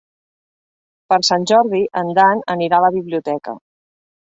Per Sant Jordi en Dan anirà a la biblioteca.